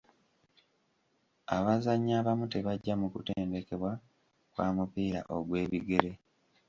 Abazannyi abamu tebajja mu kutendekebwa kwa mupiira ogw'ebigere.